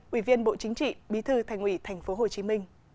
ủy viên bộ chính trị bí thư thành ủy tp hcm